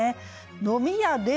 「飲み屋では」